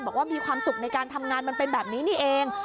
บอกว่ามีความสุขในการทำงานมันเป็นแบบนี้นี่เอง